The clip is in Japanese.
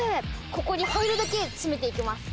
ここに入るだけ詰めていきます